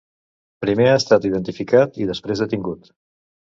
Primer ha estat identificat i després detingut.